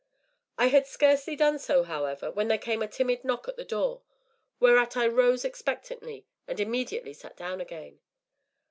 I had scarcely done so, however, when there came a timid knock at the door, whereat I rose expectantly, and immediately sat down again.